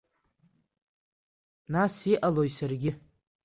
Нас иҟалои саргьы…